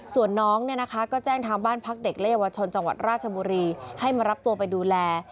ส่วนน้องเนี่ยนะคะก็แจ้งทางบ้านพักเด็กและเยาวชนจังหวัดราชบุรีให้มารับตัวไปดูแล